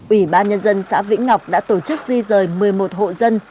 ủy ban nhân dân xã vĩnh ngọc đã tổ chức di rời một mươi một hộ dân